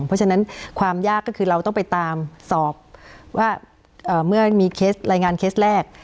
เพราะฉะนั้นความยากก็คือเราต้องไปตามสอบว่าเมื่อมีเคสรายงานเคสแรก